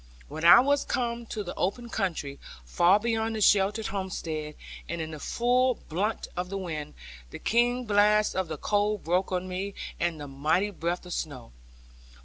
When I was come to the open country, far beyond the sheltered homestead, and in the full brunt of the wind, the keen blast of the cold broke on me, and the mighty breadth of snow.